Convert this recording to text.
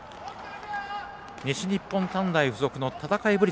西日本短大付属の戦いぶり